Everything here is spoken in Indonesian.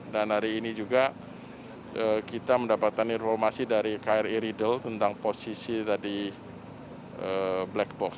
hari ini juga kita mendapatkan informasi dari kri riddle tentang posisi tadi black box